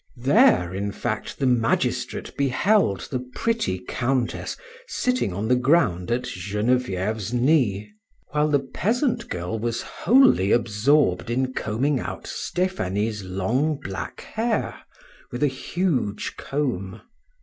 There, in fact, the magistrate beheld the pretty Countess sitting on the ground at Genevieve's knee, while the peasant girl was wholly absorbed in combing out Stephanie's long, black hair with a huge comb.